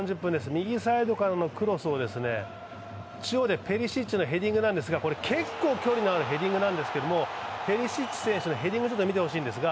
右サイドからのクロスをペリシッチのヘディングなんですが結構距離のあるヘディング、ペリシッチ選手のヘディング、見てほしいんです。